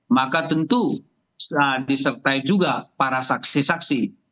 maka tentu disertai juga para saksi saksi